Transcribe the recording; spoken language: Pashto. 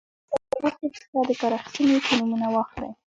له تودوخې څخه د کار اخیستنې څو نومونه واخلئ.